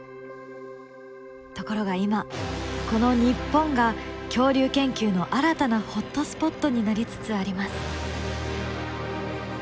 ところが今この日本が恐竜研究の新たなホットスポットになりつつあります。